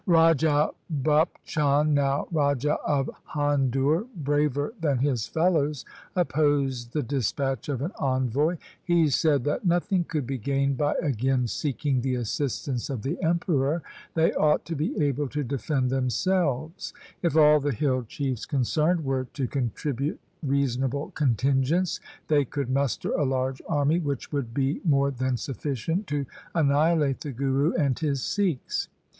Raja Bhup Chand, now Raja of Handur, braver than his fellows, opposed the dispatch of an envoy. He said that nothing could be gained by again seeking the assistance of the Emperor. They ought to be able to defend themselves. If all the hill chiefs concerned were to contribute reasonable contingents, they could muster a large army which would be more than sufficient to annihilate the Guru and his Sikhs.